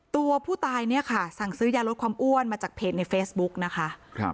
ตัวผู้ตายเนี่ยค่ะสั่งซื้อยาลดความอ้วนมาจากเพจในเฟซบุ๊กนะคะ